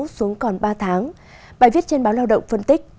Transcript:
từ ngày một mươi sáu xuống còn ba tháng bài viết trên báo lao động phân tích